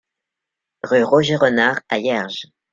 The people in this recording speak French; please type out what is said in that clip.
Rue Roger Renard à Hierges